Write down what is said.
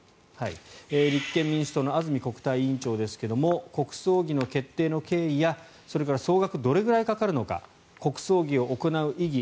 立憲民主党の安住国対委員長ですけれども国葬儀の決定の経緯やそれから総額どれくらいかかるのか国葬儀を行う意義